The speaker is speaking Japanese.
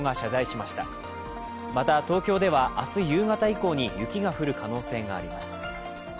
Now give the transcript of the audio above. また、東京では明日夕方以降に雪が降る可能性があります。